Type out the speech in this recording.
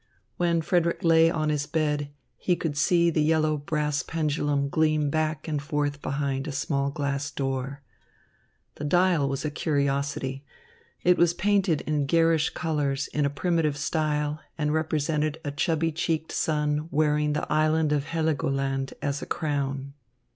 When Frederick lay on his bed, he could see the yellow brass pendulum gleam back and forth behind a small glass door. The dial was a curiosity. It was painted in garish colors in a primitive style and represented a chubby cheeked sun wearing the Island of Heligoland as a crown.